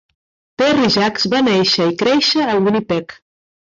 Terry Jacks va néixer i créixer a Winnipeg.